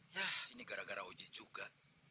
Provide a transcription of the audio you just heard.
yah ini gara gara oji juga